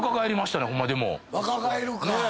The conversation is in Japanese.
若返るか。